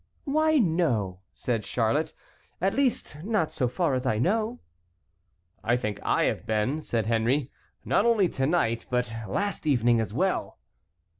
"Why, no," said Charlotte, "at least, not so far as I know." "I think I have been," said Henry, "not only to night but last evening as well."